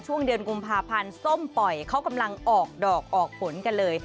ช่วงเดือนกุมภาพันธ์ส้มปล่อยเขากำลังออกดอกออกผลกันเลย